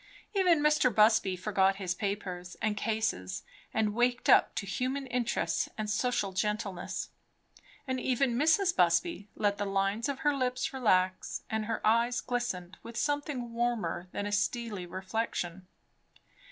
Even Mr. Busby forgot his papers and cases and waked up to human interests and social gentleness; and even Mrs. Busby let the lines of her lips relax, and her eyes glistened with something warmer than a steely reflection.